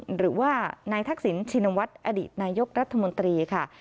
หรือว่านายทักษิณชินวัฒน์อดีตนายกรัฐมนตรีค่ะ